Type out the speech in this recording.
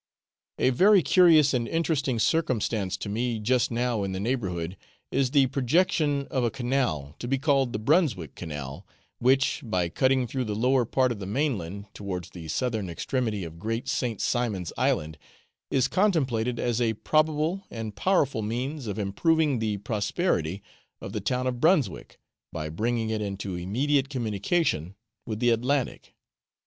A very curious and interesting circumstance to me just now in the neighbourhood is the projection of a canal, to be called the Brunswick Canal, which, by cutting through the lower part of the mainland, towards the southern extremity of Great St. Simon's Island, is contemplated as a probable and powerful means of improving the prosperity of the town of Brunswick, by bringing it into immediate communication with the Atlantic.